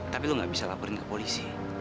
tapi lu gak bisa laporin ke polisi